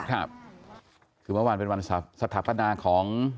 ค่ะคือเมื่อวานเป็นวันสัตว์สรรพนาคม